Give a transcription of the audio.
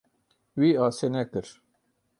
Wî asê nekir.